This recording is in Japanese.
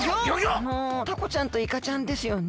あのタコちゃんとイカちゃんですよね。